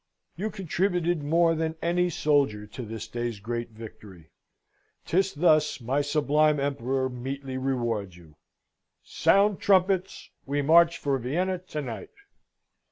"You contributed more than any soldier to this day's great victory. 'Tis thus my sublime Emperor meetly rewards you. Sound trumpets! We march for Vienna to night!"